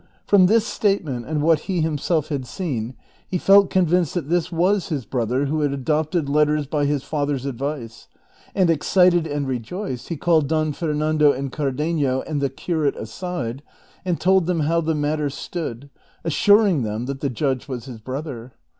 From this statement, and what he himself had seen, he felt con vinced that this was his brother who had adopted letters by his father's advice ; and excited and rejoiced, he called Don Fernando and Cardenio and the curate aside, and told them how the matter stood, assuring them that the judge was his brother.